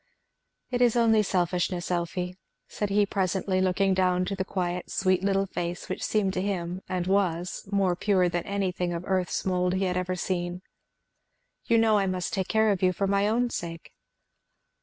"It is only selfishness, Elfie," said he presently, looking down to the quiet sweet little face which seemed to him, and was, more pure than anything of earth's mould he had ever seen. "You know I must take care of you for my own sake."